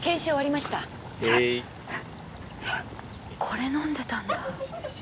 これ飲んでたんだ。